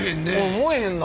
燃えへんな。